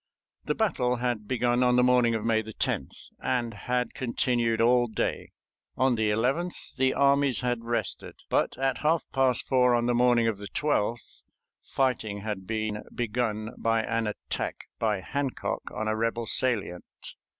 The battle had begun on the morning of May 10th, and had continued all day. On the 11th the armies had rested, but at half past four on the morning of the 12th fighting had been begun by an attack by Hancock on a rebel salient.